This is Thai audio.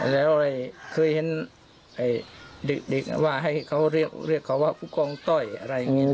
แล้วเคยเห็นเด็กว่าให้เขาเรียกเขาว่าผู้กองต้อยอะไรอย่างนี้